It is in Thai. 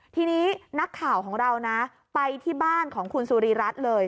ทีนี้นักข่าวของเรานะไปที่บ้านของคุณสุริรัตน์เลย